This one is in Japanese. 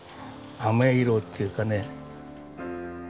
あめ色っていうかね。